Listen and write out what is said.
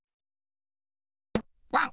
ワン。